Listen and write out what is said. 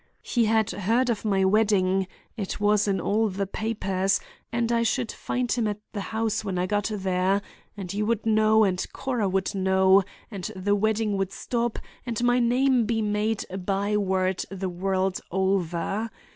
He had heard of my wedding; it was in all the papers, and I should find him at the house when I got there, and you would know and Cora would know, and the wedding would stop and my name be made a by word the world over.